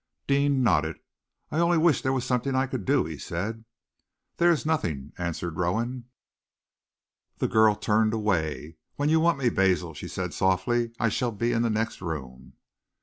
Deane nodded. "I only wish there was something I could do," he said. "There is nothing," answered Rowan. The girl turned away. "When you want me, Basil," she said softly, "I shall be in the next room."